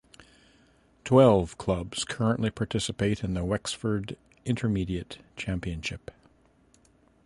Twelve clubs currently participate in the Wexford Intermediate Championship.